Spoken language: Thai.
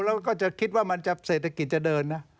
แล้วก็จะคิดว่ามันจะเศรษฐกิจจะเดินนะ